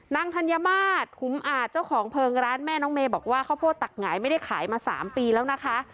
ธัญมาตรขุมอาจเจ้าของเพลิงร้านแม่น้องเมย์บอกว่าข้าวโพดตักหงายไม่ได้ขายมา๓ปีแล้วนะคะ